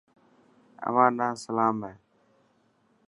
اوهان نا سلام هي.